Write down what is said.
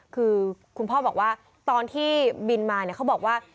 คือคุณพ่อบอกว่าตอนที่บินมาเขาบอกว่า